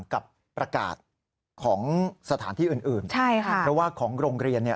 กับประกาศของสถานที่อื่นอื่นใช่ค่ะเพราะว่าของโรงเรียนเนี่ย